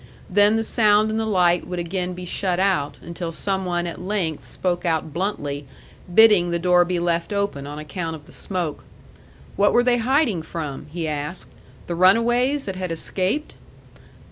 Then the sound and the light would again be shut out, until some one at length spoke out bluntly, bidding the door be left open on account of the smoke. What were they hiding from? he asked. The runaways that had escaped?